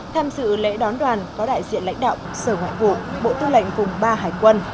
tham dự lễ đón đoàn có đại diện lãnh đạo sở ngoại vụ bộ tư lệnh vùng ba hải quân